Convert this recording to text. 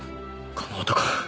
この男。